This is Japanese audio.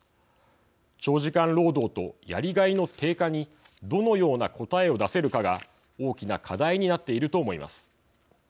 長時間労働とやりがいの低下にどのような答えを出せるかが大きな課題になっていると思います。